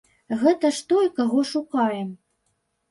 Гэта ж той, каго шукаем.